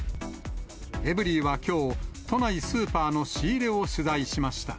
エブリィはきょう、都内スーパーの仕入れを取材しました。